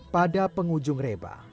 pada penghujung reba